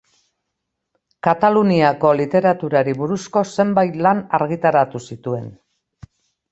Kataluniako literaturari buruzko zenbait lan argitaratu zituen.